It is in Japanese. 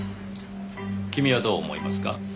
君はどう思いますか？